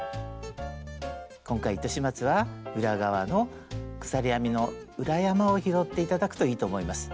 今回糸始末は裏側の鎖編みの裏山を拾って頂くといいと思います。